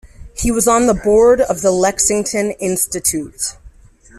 He was on the board of the Lexington Institute.